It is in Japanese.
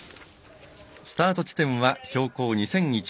スタート地点は標高２００１ｍ。